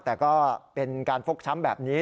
แต่ก็เป็นการฟกช้ำแบบนี้